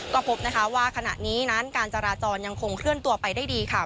ก็พบนะคะว่าขณะนี้นั้นการจราจรยังคงเคลื่อนตัวไปได้ดีค่ะ